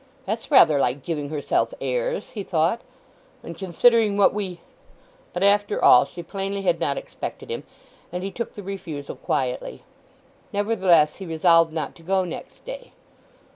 "That's rather like giving herself airs!" he thought. "And considering what we—" But after all, she plainly had not expected him, and he took the refusal quietly. Nevertheless he resolved not to go next day.